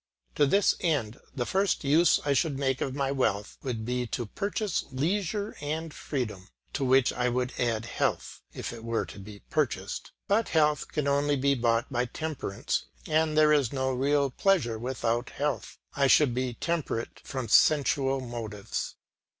To this end, the first use I should make of my wealth would be to purchase leisure and freedom, to which I would add health, if it were to be purchased; but health can only be bought by temperance, and as there is no real pleasure without health, I should be temperate from sensual motives.